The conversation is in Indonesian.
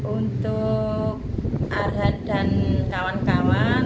untuk arha dan kawan kawan